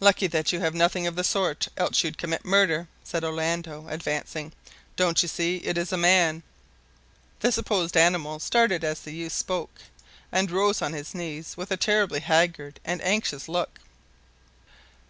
"Lucky that you have nothing of the sort, else you'd commit murder," said Orlando, advancing. "Don't you see it is a man!" The supposed animal started as the youth spoke, and rose on his knees with a terribly haggard and anxious look.